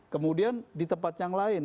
kemudian di tempat yang lain